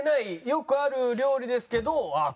よくある料理ですけどああ